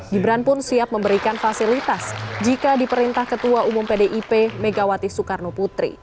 gibran pun siap memberikan fasilitas jika diperintah ketua umum pdip megawati soekarno putri